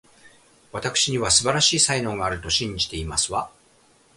わたくしには、素晴らしい才能があると信じていますわ